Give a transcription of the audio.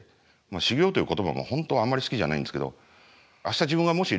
修業という言葉も本当はあんまり好きじゃないんですけど。